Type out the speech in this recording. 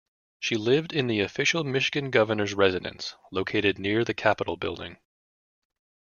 She lived in the official Michigan Governor's Residence, located near the Capitol Building.